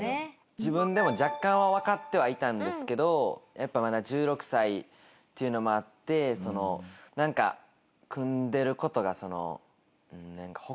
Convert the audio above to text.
自分でも若干はわかってはいたんですけどやっぱまだ１６歳っていうのもあってなんかなるほど。